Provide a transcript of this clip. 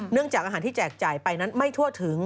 จากอาหารที่แจกจ่ายไปนั้นไม่ทั่วถึง